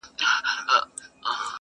دا دریاب دی موږ ته پاته دي مزلونه -